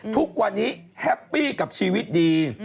ทุกวันนี้แฮปปี้กับชีวิตดี